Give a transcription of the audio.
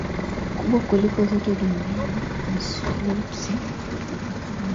kubwa kuliko zote duniani Urusi imepakana na